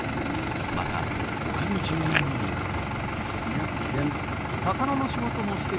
また、他の住民によると。